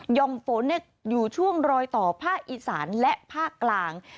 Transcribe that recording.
่อมฝนอยู่ช่วงรอยต่อภาคอีสานและภาคกลาง